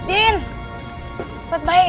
makasih pak rendy